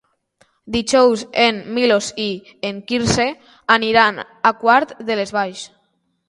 Dijous en Milos i en Quirze aniran a Quart de les Valls.